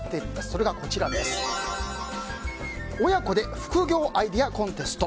それが親子で副業アイデアコンテスト。